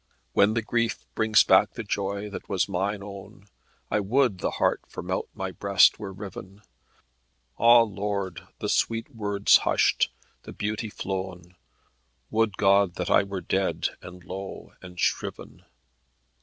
When grief brings back the joy that was mine own, I would the heart from out my breast were riven. Ah, Lord, the sweet words hushed, the beauty flown; Would God that I were dead, and low, and shriven.